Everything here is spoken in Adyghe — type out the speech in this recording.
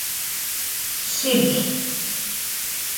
Şsibl.